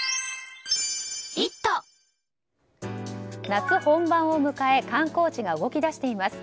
夏本番を迎え観光地が動き出しています。